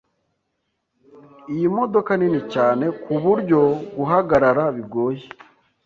Iyo modoka nini cyane. kuburyo guhagarara bigoye .